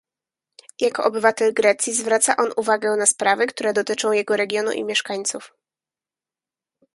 Jako obywatel Grecji zwraca on uwagę na sprawy, które dotyczą jego regionu i mieszkańców